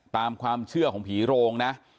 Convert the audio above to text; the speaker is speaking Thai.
ตามความเชื่อของผีโรงนะ